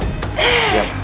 kita taruh prisca disini aja